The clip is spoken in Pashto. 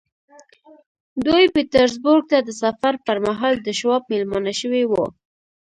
دوی پيټرزبورګ ته د سفر پر مهال د شواب مېلمانه شوي وو.